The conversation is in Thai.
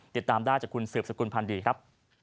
ติดตามได้จากคุณสืบสกุลพันธ์ดีครับ